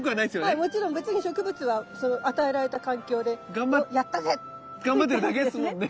まあもちろん別に植物はその与えられた環境で「おっ！やったぜ」って。頑張ってるだけですもんね。